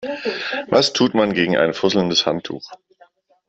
Was tut man gegen ein fusselndes Handtuch?